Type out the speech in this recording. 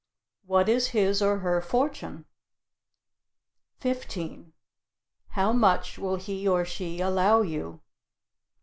What is his or her fortune? 15. How much will he or she allow you?